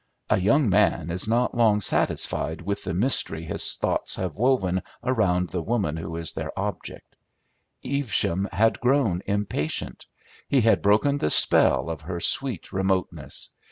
A young man is not long satisfied with the mystery his thoughts have woven around the woman who is their object. Evesham had grown impatient; he had broken the spell of her sweet remoteness.